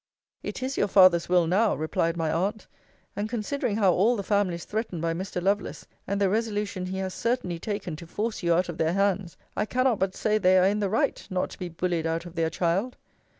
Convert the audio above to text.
It is your father's will now, replied my aunt: and, considering how all the family is threatened by Mr. Lovelace, and the resolution he has certainly taken to force you out of their hands, I cannot but say they are in the right, not to be bullied out of their child.